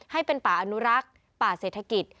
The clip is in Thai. ให้เป็นป่าอนุรักษ์ป่าเศรษฐกิจ